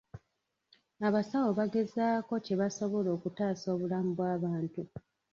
Abasawo bagezaako kye basobola okutaasa obulamu bw'abantu.